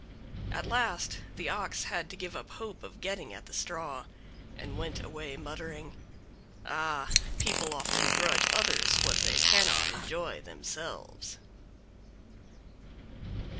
At last the Ox had to give up the hope of getting at the straw, and went away muttering: "AH, PEOPLE OFTEN GRUDGE OTHERS WHAT THEY CANNOT ENJOY THEMSELVES."